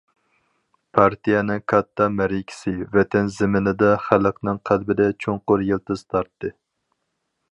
پارتىيەنىڭ كاتتا مەرىكىسى ۋەتەن زېمىنىدا، خەلقنىڭ قەلبىدە چوڭقۇر يىلتىز تارتتى.